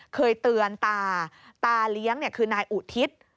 เคยเตือนตาตาเลี้ยงคือนายอุทิศ